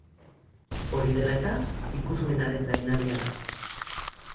Hori dela eta ikusmenaren zaindaria da.